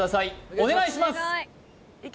お願いします